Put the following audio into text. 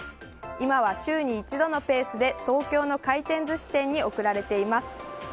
今は週に一度のペースで東京の回転寿司店に送られています。